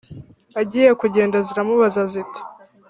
Agiye kugenda ziramubaza ziti